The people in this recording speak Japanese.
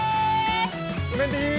うメンディー！